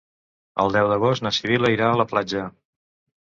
El deu d'agost na Sibil·la irà a la platja.